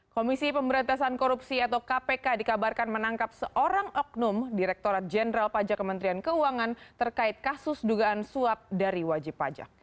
komisi pemberantasan korupsi atau kpk dikabarkan menangkap seorang oknum direkturat jenderal pajak kementerian keuangan terkait kasus dugaan suap dari wajib pajak